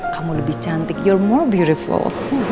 kamu lebih cantik you're more beautiful